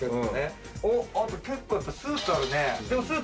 結構スーツあるね。